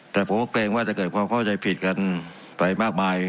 แต่ผมก็เกรงว่าจะเกิดความเข้าใจผิดกันไปมากมาย